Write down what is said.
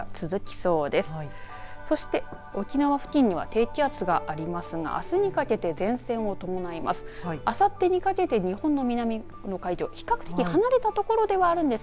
そして、沖縄付近には低気圧がありますがあすにかけて前線を伴います。